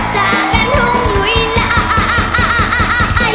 จากกันทุกเวลา